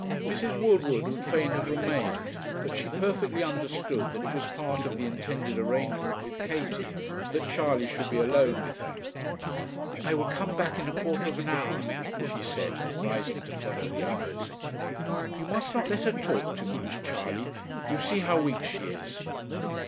Mrs. Woodward would fain have remained, but she perfectly understood that it was part of the intended arrangement with Katie, that Charley should be alone with her. 'I will come back in a quarter of an hour,' she said, rising to follow the others. 'You must not let her talk too much, Charley: you see how weak she is.'